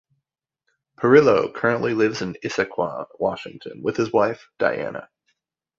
Pirillo currently lives in Issaquah, Washington, with his wife, Diana.